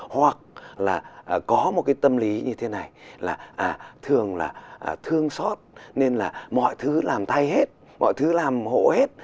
hoặc là có một cái tâm lý như thế này là thường là thương xót nên là mọi thứ làm tay hết mọi thứ làm hộ hết